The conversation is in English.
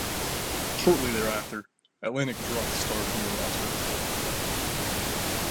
Shortly thereafter, Atlantic dropped Starr from their roster.